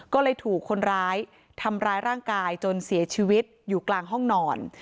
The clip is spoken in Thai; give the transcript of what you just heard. ก็เลยถูกคนร้ายทำร้ายร่างกายจนเสียชีวิตอยู่กลางห้องนอน